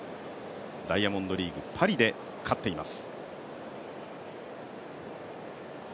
ダイヤモンドリーグ・パリで勝っています。